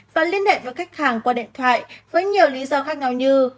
và liên hệ với khách hàng qua điện thoại với nhiều lý do khác nhau như